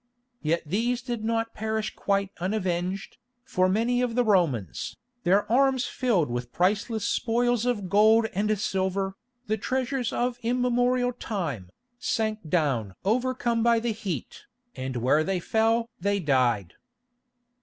Yet these did not perish quite unavenged, for many of the Romans, their arms filled with priceless spoils of gold and silver, the treasures of immemorial time, sank down overcome by the heat, and where they fell they died.